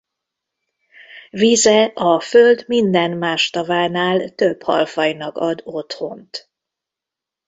Vize a Föld minden más tavánál több halfajnak ad otthont.